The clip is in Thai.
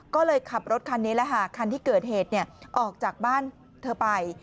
ก็เลยขับรถคันนี้แหละค่ะคันที่เกิดเหตุออกจากบ้านเธอไป